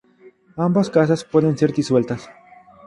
Ambas casas pueden ser disueltas.